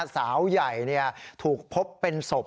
สาวใหญ่ถูกพบเป็นศพ